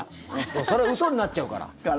でもそれは嘘になっちゃうから。